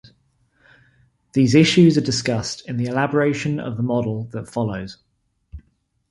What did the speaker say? These issues are discussed in the elaboration of the model that follows.